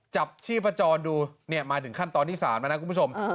จับชี้ประจอนดูเนี่ยมาถึงขั้นตอนที่๓มานะคุณผู้ชม